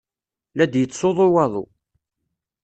La d-yettsuḍu waḍu.